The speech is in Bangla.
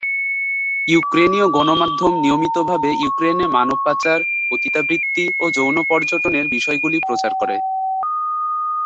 ইউক্রেনীয় গণমাধ্যম নিয়মিতভাবে ইউক্রেনে মানব পাচার, পতিতাবৃত্তি ও যৌন পর্যটনের বিষয়গুলি প্রচার করে।